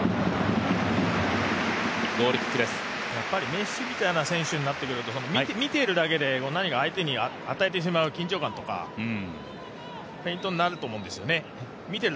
メッシみたいな選手になってくると見ているだけで何か相手に与えてしまう緊張感とかフェイントになると思うんですよね。